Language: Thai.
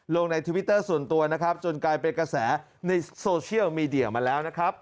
ลงในทวิตเตอร์ส่วนตัวนะครับจนกลายเป็นกระแสในโซเชียลมีเดียมาแล้วนะครับ